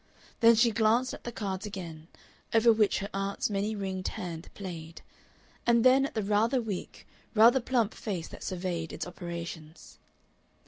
Then she glanced at the cards again, over which her aunt's many ringed hand played, and then at the rather weak, rather plump face that surveyed its operations.